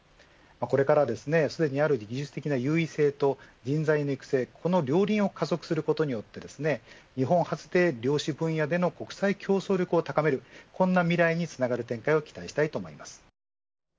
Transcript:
これから、すでにある技術的な優位性と人材の育成、この両輪を加速させることによって日本発で日本流の量子技術の国際競争力を高めるこんな未来につながる展開の期待をしたいと思います。